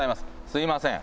すみません。